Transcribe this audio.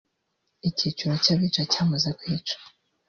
Icyiciro cy’abica cyamaze kwica